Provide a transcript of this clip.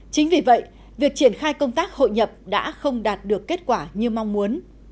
chính vì vậy việc triển khai công tác hội nhập đã không đạt được kết quả như mong muốn